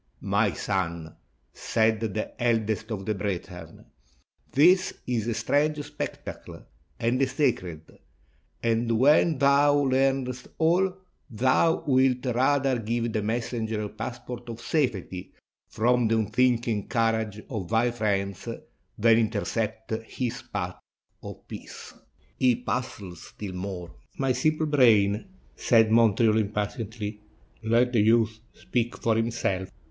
"My son," said the eldest of the brethren, "this is a strange spectacle, and a sacred; and when thou learnest all, thou wilt rather give the messenger a passport of safety from the unthinking courage of thy friends than intercept his path of peace." "Ye puzzle still more my simple brain," said Mon treal impatiently; "let the youth speak for himself.